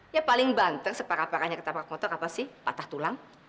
ya paling banter separah parahnya ketapa kotor apa sih patah tulang